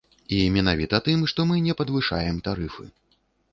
І менавіта тым, што мы не падвышаем тарыфы.